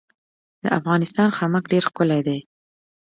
د افغانستان خامک ډیر ښکلی دی